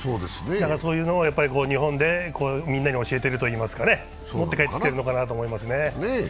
そういうのを日本でみんなに教えていると言いますかね、持って帰って来てるのかなと思いますね。